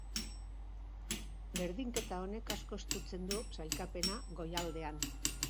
Berdinketa honek asko estutzen du sailkapena goialdean.